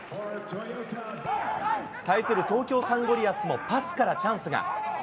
対する東京サンゴリアスもパスからチャンスが。